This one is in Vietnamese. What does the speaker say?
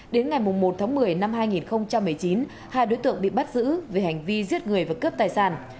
đến ngày một tháng một mươi năm hai nghìn một mươi chín hai đối tượng bị bắt giữ về hành vi giết người và cướp tài sản